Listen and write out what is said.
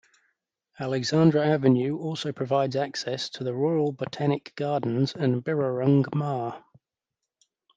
Alexandra Avenue also provides access to the Royal Botanic Gardens and Birrurung Marr.